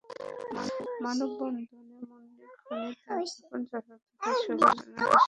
মানববন্ধনে মুন্নীর খুনি তার আপন চাচাতো ভাই সোহেল রানার ফাঁসির দাবি করে এলাকাবাসী।